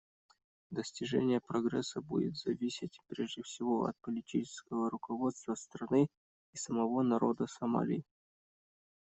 Достижение прогресса будет зависеть, прежде всего, от политического руководства страны и самого народа Сомали.